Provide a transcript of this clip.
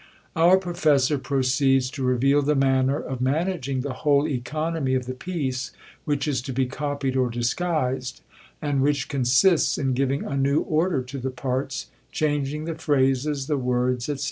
Our professor proceeds to reveal the manner of managing the whole economy of the piece which is to be copied or disguised; and which consists in giving a new order to the parts, changing the phrases, the words, &c.